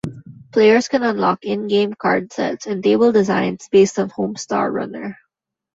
Players can unlock in-game card sets and table designs based on Homestar Runner.